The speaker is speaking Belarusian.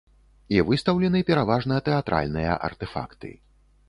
І выстаўлены пераважна тэатральныя артэфакты.